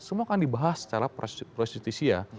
semua kan dibahas secara prosesisya